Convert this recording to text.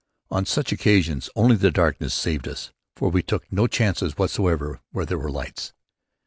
On such occasions only the darkness saved us, for we took no chances, wherever there were lights.